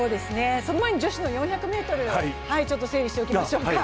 その前に女子４００ｍを整理しておきましょう。